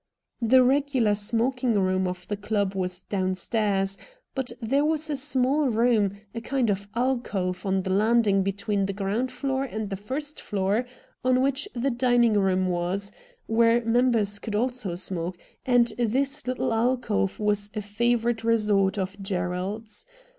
The regular smoking room of the club was downstairs, but there was a small room, a kind of alcove, on the landing between the ground floor and the first floor on which the dining room was, where members could also smoke, and this little alcove was a 54 RED DIAMONDS favourite resort of Gerald's.